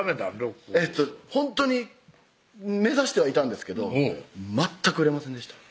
ほんとに目指してはいたんですけど全く売れませんでした